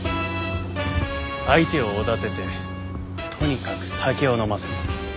相手をおだててとにかく酒を飲ませる。